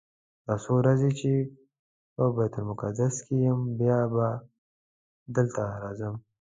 دا څو ورځې چې په بیت المقدس کې یم بیا به دلته راځم.